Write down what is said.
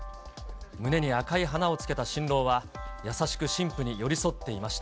胸に赤い花をつけた新郎は、優しく新婦に寄り添っていました。